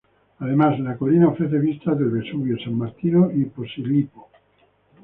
Además, la colina ofrece vistas del Vesubio, San Martino y Posillipo.